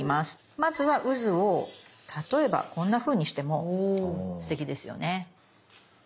まずはうずを例えばこんなふうにしてもすてきですよね。